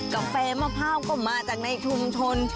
กาแฟมะพร้าวก็มาจากในชุมชน